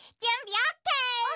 オッケー。